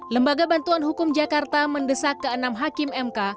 lembaga bantuan hukum jakarta mendesak ke enam hakim mk